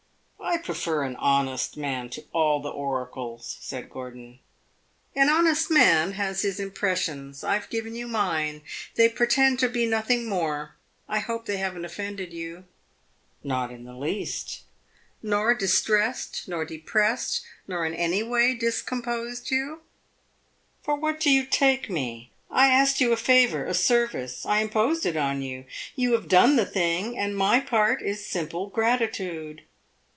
"I prefer an honest man to all the oracles," said Gordon. "An honest man has his impressions! I have given you mine they pretend to be nothing more. I hope they have n't offended you." "Not in the least." "Nor distressed, nor depressed, nor in any way discomposed you?" "For what do you take me? I asked you a favor a service; I imposed it on you. You have done the thing, and my part is simple gratitude."